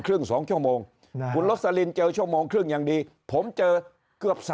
๒ชั่วโมงคุณโรสลินเจอชั่วโมงครึ่งอย่างดีผมเจอเกือบ